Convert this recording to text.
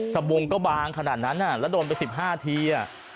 สบงก็บางขนาดนั้นแล้วโดนไป๑๕ที